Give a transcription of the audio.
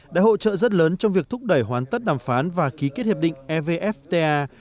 đã hỗ trợ rất lớn trong việc thúc đẩy hoàn tất đàm phán và ký kết hiệp định evfta